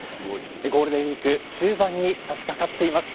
ゴールデンウイーク終盤に差し掛かっています。